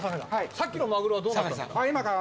さっきのマグロはどうなったんですか？